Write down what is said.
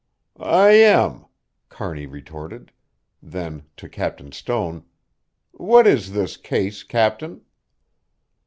"I am," Kearney retorted; then to Captain Stone, "What is this case Captain?"